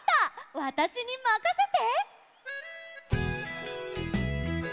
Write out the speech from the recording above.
わたしにまかせて！